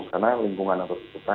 itu adalah lingkungan yang tersebut